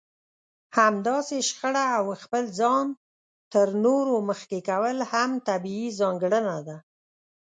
همداسې شخړه او خپل ځان تر نورو مخکې کول هم طبيعي ځانګړنه ده.